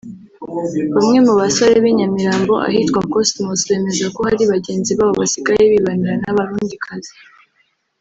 Bamwe mu basore b’i Nyamirambo ahitwa kuri Cosmos bemeza ko hari bagenzi babo basigaye bibanira n’abarundikazi